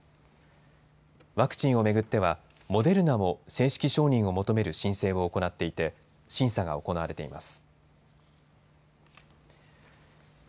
ワクチンを巡っては、モデルナも正式承認を求める申請を行っていて審査が行われています。